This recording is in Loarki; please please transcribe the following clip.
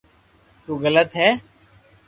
تو غلط ھي